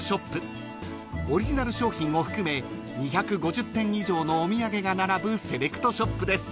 ［オリジナル商品を含め２５０点以上のお土産が並ぶセレクトショップです］